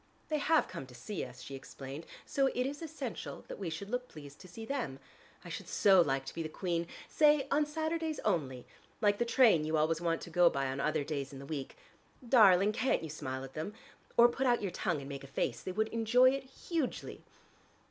"They have come to see us," she explained. "So it is essential that we should look pleased to see them. I should so like to be the Queen, say on Saturdays only, like the train you always want to go by on other days in the week. Darling, can't you smile at them? Or put out your tongue, and make a face. They would enjoy it hugely."